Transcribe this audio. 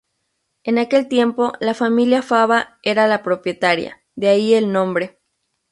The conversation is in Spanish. En aquel tiempo la familia Fava era la propietaria, de ahí el nombre.